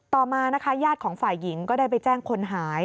ต่อมานะคะญาติของฝ่ายหญิงก็ได้ไปแจ้งคนหาย